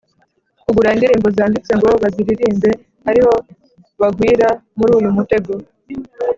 kugura indirimbo zanditse ngo baziririmbe ariho bagwira muri uyu mutego.